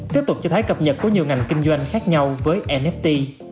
tiếp tục cho thấy cập nhật của nhiều ngành kinh doanh khác nhau với nft